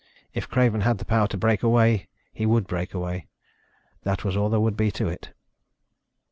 If Craven had the power to break away, he would break away ... that was all there would be to it.